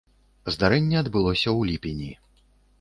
Здарэнне адбылося ў ліпені.